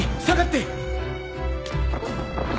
下がって！